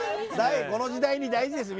この時代に大事です。